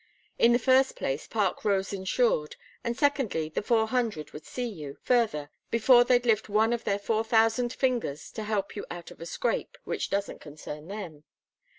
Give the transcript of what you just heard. In the first place, Park Row's insured, and secondly, the Four Hundred would see you further before they'd lift one of their four thousand fingers to help you out of a scrape which doesn't concern them.